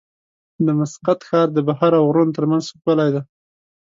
د مسقط ښار د بحر او غرونو ترمنځ ښکلی دی.